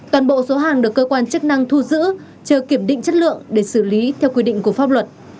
toàn bộ số hàng được cơ quan chức năng thu giữ chờ kiểm định chất lượng để xử lý theo quy định của pháp luật